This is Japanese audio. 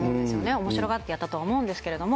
おもしろがってやったとは思うんですけども。